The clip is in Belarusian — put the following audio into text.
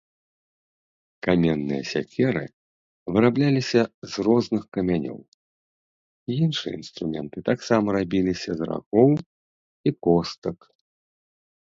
Каменныя сякеры вырабляліся з розных камянёў, іншыя інструменты таксама рабіліся з рагоў і костак.